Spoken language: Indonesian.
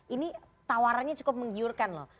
ini tawarannya cukup menggiurkan loh